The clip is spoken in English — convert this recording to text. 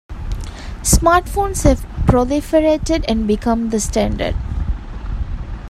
Smartphones have proliferated and become the standard.